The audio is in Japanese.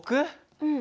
うん。